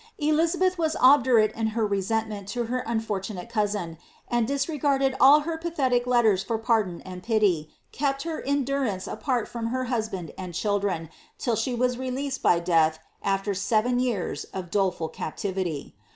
Eliza h^iU was obdurate in her resentment to her unfortunate cousin ; cmd, ciaregarding ail her pathetic letters for pardon and pity, kept her in du rance apart from her husband and children, till she was released by •i(.«ih. after seven years of doleful captivity.'